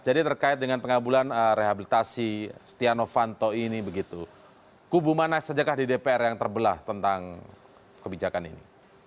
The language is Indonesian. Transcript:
jadi terkait dengan pengabulan rehabilitasi stiano vanto ini begitu kubu mana sejak di dpr yang terbelah tentang kebijakan ini